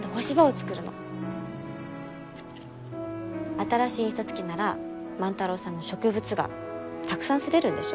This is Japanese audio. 新しい印刷機なら万太郎さんの植物画たくさん刷れるんでしょ？